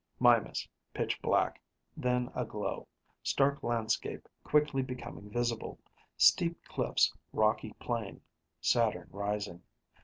Mimas, pitch black, then a glow. Stark landscape quickly becoming visible. Steep cliffs, rocky plain. Saturn rising.